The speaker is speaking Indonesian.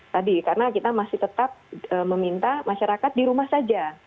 tadi karena kita masih tetap meminta masyarakat di rumah saja